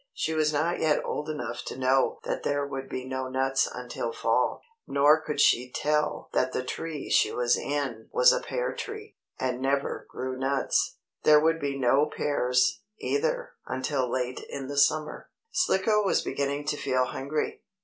She was not yet old enough to know that there would be no nuts until fall. Nor could she tell that the tree she was in was a pear tree, and never grew nuts. There would be no pears, either, until late in the summer. Slicko was beginning to feel hungry.